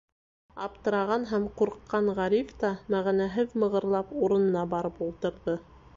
Аптыраған һәм ҡурҡҡан Ғариф та, мәғәнәһеҙ мығырлап, урынына барып ултырҙы.